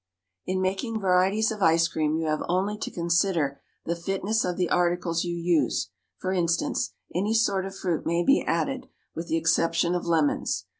In making varieties of ice cream you have only to consider the fitness of the articles you use; for instance, any sort of fruit may be added, with the exception of lemons.